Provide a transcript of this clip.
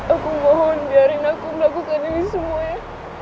aku mohon biarin aku melakukan ini semua ya